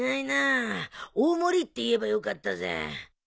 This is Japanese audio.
大盛りって言えばよかったぜ。